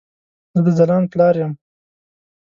زه د ځلاند پلار يم